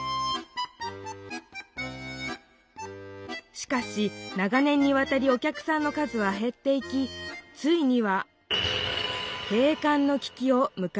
しかし長年にわたりおきゃくさんの数はへっていきついには閉館の危機をむかえていました。